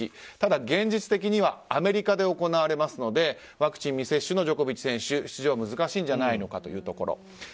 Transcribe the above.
ただ、現実的にはアメリカで行われますのでワクチン未接種のジョコビッチ選手出場は難しいんじゃないかというところ。